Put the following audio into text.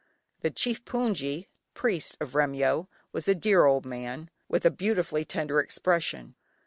The chief hpoongyi (priest) of Remyo was a dear old man, with a beautifully tender expression.